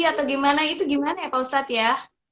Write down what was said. atau gimana itu gimana ya pak ustadz ya